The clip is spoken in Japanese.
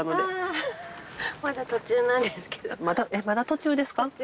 まだ途中ですか？